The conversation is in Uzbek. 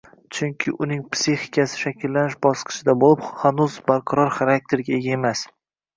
chunki uning psixikasi shakllanish bosqichida bo‘lib, hanuz barqaror xarakterga ega emas.